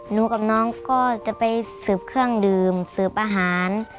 หนูกับน้องก็จะไปสืบเครื่องดื่มสืบอาหาร